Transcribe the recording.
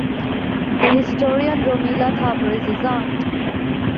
The historian Romila Thapar is his aunt.